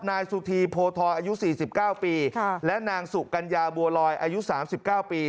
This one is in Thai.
นายสุธีโพทอยอายุสี่สิบเก้าปีค่ะและนางสุกัญญาบัวลอยอายุสามสิบเก้าปี